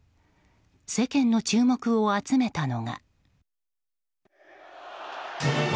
世間の注目を集めたのが。